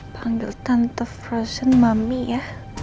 panggil tante frozen mami ya